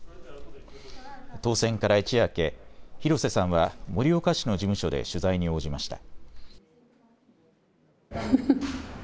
当選から一夜明け、広瀬さんは盛岡市の事務所で取材に応じました。